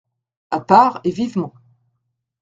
A part et vivement.